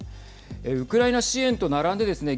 ウクライナ支援と並んでですね